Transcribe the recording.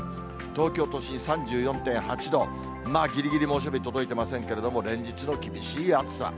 東京都心３４．８度、ぎりぎり猛暑日届いてませんけれども、連日の厳しい暑さ。